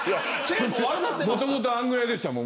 もともとあれぐらいでしたよ。